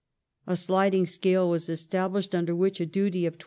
A sliding scale was established scale under which a duty of 25s.